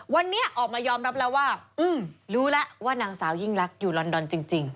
วันนี้ออกมายอมรับแล้วว่ารู้แล้วว่านางสาวยิ่งรักอยู่ลอนดอนจริง